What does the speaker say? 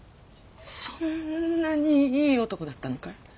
そんなにいい男だったのかい？